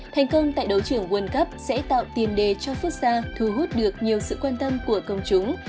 thành công tại đấu trưởng world cup sẽ tạo tiền đề cho phúc gia thu hút được nhiều sự quan tâm của công chúng